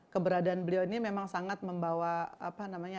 keberadaan beliau ini memang sangat membawa apa namanya